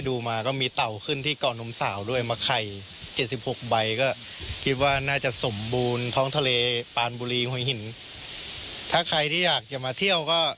ถ้าใครที่อยากจะมาเที่ยวก็